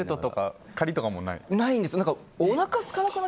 ないです。